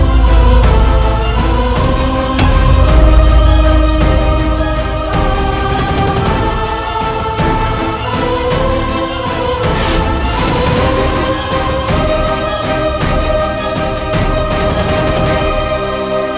mencuri kujang kembar